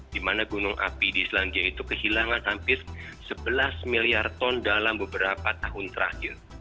di mana gunung api di islandia itu kehilangan hampir sebelas miliar ton dalam beberapa tahun terakhir